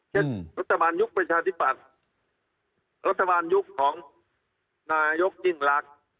เช่นรัฐบาลยุคประชาธิปัตย์รัฐบาลยุคของนายกยิ่งรัก